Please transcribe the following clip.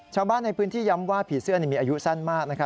ชาวบ้านในพื้นที่ย้ำว่าผีเสื้อมีอายุสั้นมาก